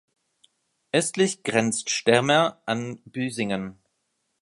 Östlich grenzt Stemmer an Büsingen.